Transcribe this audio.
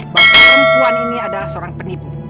bahwa perempuan ini adalah seorang penipu